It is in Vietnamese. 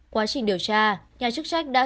quá trình điều tra